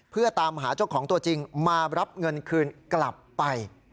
เพื่อตามหาเจ้าของตัวจริงมารับเงินคืนกลับไป